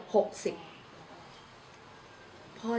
แล้วบอกว่าไม่รู้นะ